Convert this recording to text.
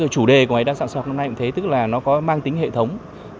chủ đề của đa dạng sinh học năm nay cũng thế tức là nó có mang tính hệ thống